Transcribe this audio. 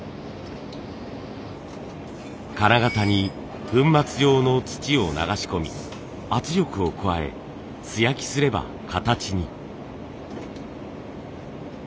金型に粉末状の土を流し込み圧力を加え素焼きすれば形に。